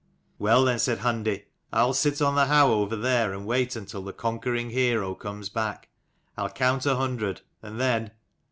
84 "Well then," said Hundi, " I will sit on the howe over there, and wait until the conquering hero comes back. I'll count a hundred, * and then."